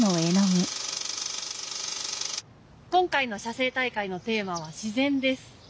今回の写生大会のテーマは「自然」です。